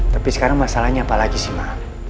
tapi sekarang masalahnya apa lagi sih ma